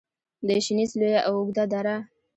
د شنیز لویه او اوږده دره